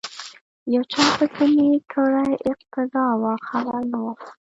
یو چا پسی می کړې اقتدا وه خبر نه وم